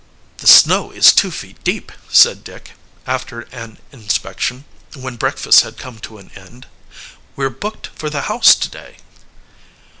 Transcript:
"The snow is two feet deep!" said Dick, after an inspection, when breakfast had come to an end. "We're booked for the house today!"